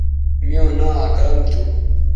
میوں ناں اکرم تھو